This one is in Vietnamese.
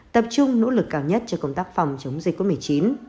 tập trung nỗ lực cao nhất cho công tác phòng chống dịch covid một mươi chín